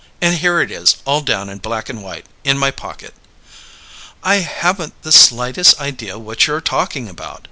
And here it is, all down in black and white, in my pocket!" "I haven't the slightest idea what you're talking about."